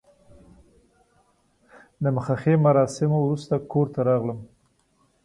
د مخه ښې مراسمو وروسته کور ته راغلم.